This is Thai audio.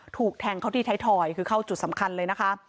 ถูกแทงเขาที่ไทยทอยคือเข้าจุดสำคัญเลยนะคะ